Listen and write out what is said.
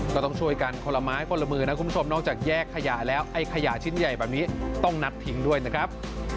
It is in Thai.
ก็ต้องช่วยกันคนละไม้คนละมือนะคุณผู้ชมนอกจากแยกขยะแล้วไอ้ขยะชิ้นใหญ่แบบนี้ต้องนัดทิ้งด้วยนะครับ